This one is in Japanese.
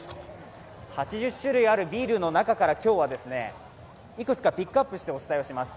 ８０種類あるビールの中から、今日はいくつかピックアップしてお伝えします。